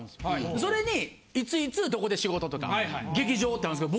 それにいついつどこで仕事とか劇場ってあるんですけど。